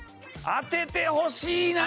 当ててほしいな！